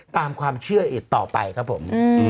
ตามความเชื่ออีกต่อไปครับผม